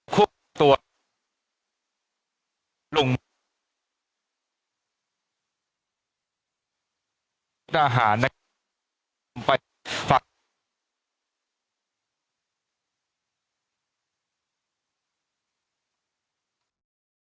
หลวงอาหารนะครับไปฝั่ง